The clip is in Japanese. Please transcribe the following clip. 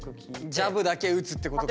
ジャブだけ打つってことか。